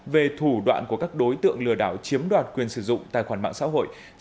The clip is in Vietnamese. về thủ đoạn của các đối tượng lừa đảo chiếm đoạt quyền sử dụng tài khoản mạng xã hội